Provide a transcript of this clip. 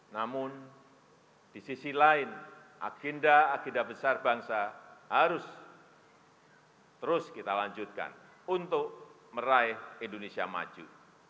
namun di sisi lain agenda agenda besar bangsa harus terus kita lanjutkan untuk meraih indonesia maju